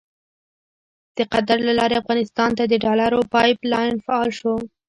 د قطر له لارې افغانستان ته د ډالرو پایپ لاین فعال شو.